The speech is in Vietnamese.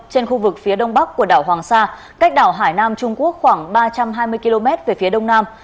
trên khu vực phía đông bắc của đảo hoàng sa cách đảo hải nam trung quốc khoảng ba trăm hai mươi km về phía đông nam